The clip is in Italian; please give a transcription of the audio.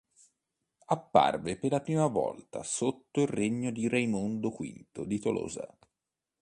Apparve per la prima volta sotto il regno di Raimondo V di Tolosa.